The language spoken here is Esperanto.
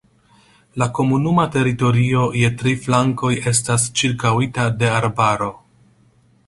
La komunuma teritorio je tri flankoj estas ĉirkaŭita de arbaro.